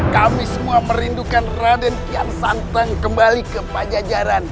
kami semua merindukan raden kian santang kembali ke pajajaran